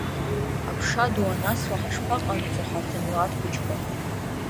Аԥша ду анасуа ҳашԥаҟанаҵо ҳарҭ амилаҭ хәыҷқәа!